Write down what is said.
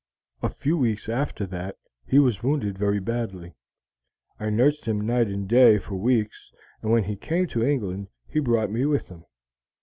"A few weeks after that he was wounded very badly. I nursed him night and day for weeks, and when he came to England he brought me with him.